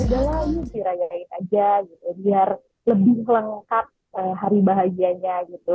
jalani dirayain aja gitu biar lebih lengkap hari bahagianya gitu